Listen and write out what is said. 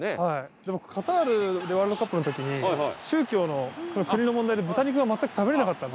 でもカタールでワールドカップの時に宗教の国の問題で豚肉が全く食べられなかったんで。